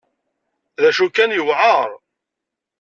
D acu kan, yewεer.